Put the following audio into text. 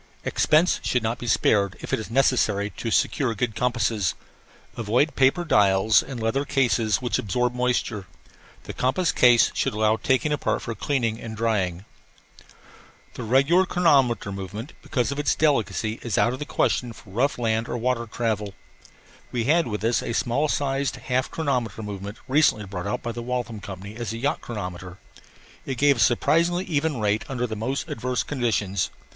Expense should not be spared if it is necessary to secure good compasses. Avoid paper dials and leather cases which absorb moisture. The compass case should allow taking apart for cleaning and drying. The regular chronometer movement, because of its delicacy, is out of the question for rough land or water travel. We had with us a small sized half chronometer movement recently brought out by the Waltham Company as a yacht chronometer. It gave a surprisingly even rate under the most adverse conditions.